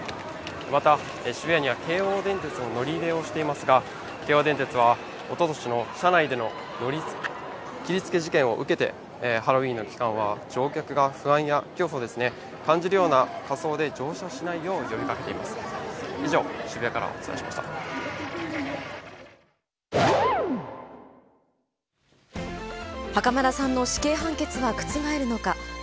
また、渋谷には京王電鉄が乗り入れをしていますが、京王電鉄はおととしの車内での切りつけ事件を受けてハロウィーンの期間は乗客が不安や恐怖を感じるような仮装で乗車しないよう呼ゆるみ対策の難しさそれは原因がひとつじゃないこと